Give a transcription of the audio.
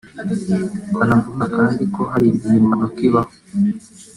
Banavuga kandi ko hari igihe impanuka ibaho